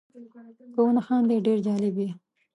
که ونه خاندې ډېر جالب یې .